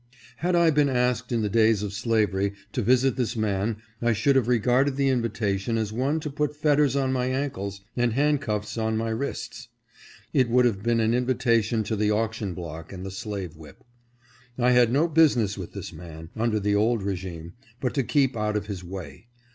Had ' I been asked in the days of slavery to visit this man I should have regarded the invitation as one to put fetters on my ankles and handcuffs on my wrists. It would have been an invitation to the auction block and the slave whip. I had no business with this man under the old regime but to keep out of his way.